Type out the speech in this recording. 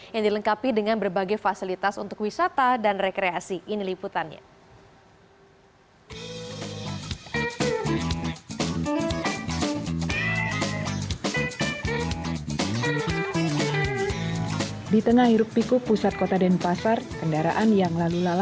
yang dilengkapi dengan berbagai fasilitas untuk wisata dan rekreasi ini liputannya